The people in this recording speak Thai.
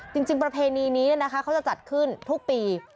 ประเพณีนี้เขาจะจัดขึ้นทุกปี